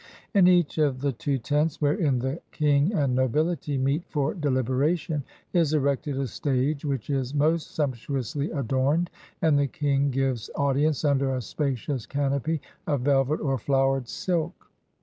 In each of the two tents wherein the king and nobility meet for deliberation is erected a stage, which is most sumptuously adorned, and the king gives audience under a spacious canopy of velvet or flowered silk.